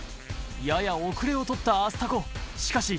やや後れをとったアスタコしかし